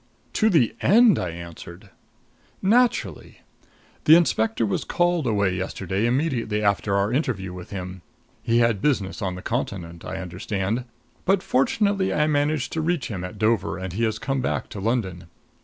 "To the end," I answered. "Naturally. The inspector was called away yesterday immediately after our interview with him. He had business on the Continent, I understand. But fortunately I managed to reach him at Dover and he has come back to London.